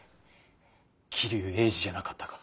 霧生鋭治じゃなかったか？